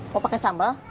mau pakai sambal